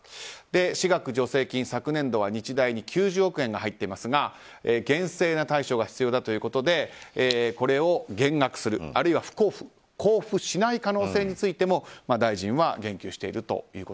私学助成金、昨年度は日大に９０億円が入っていますが厳正な対処が必要だということでこれを減額する、あるいは交付しない可能性についても大臣は言及していると。